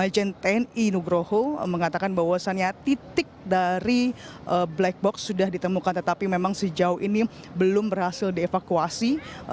majen tni nugroho mengatakan bahwasannya titik dari black box sudah ditemukan tetapi memang sejauh ini belum berhasil dievakuasi